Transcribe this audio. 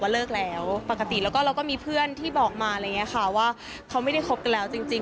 แล้วก็เราก็มีเพื่อนที่บอกมาว่าเขาไม่ได้คบกันแล้วจริง